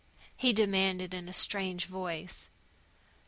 he demanded in a strange voice.